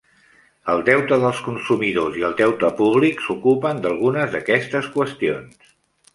El deute dels consumidors i el deute públic s'ocupen d'algunes d'aquestes qüestions.